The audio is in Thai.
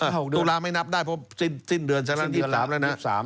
ตุลาไม่นับได้เพราะสิ้นเดือนฉะนั้น๒๓แล้วนะ